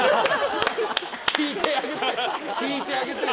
聞いてあげてよ。